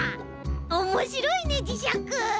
おもしろいねじしゃく！